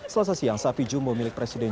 selasa siang sapi jumbo milik presiden